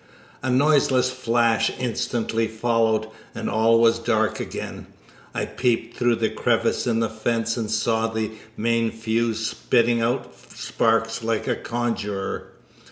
A noiseless flash instantly followed, and all was dark again. I peeped through the crevice in the fence, and saw the main fuse spitting out sparks like a conjurer.